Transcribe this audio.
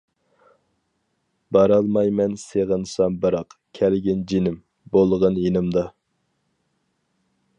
بارالمايمەن سېغىنسام بىراق، كەلگىن جېنىم، بولغىن يېنىمدا.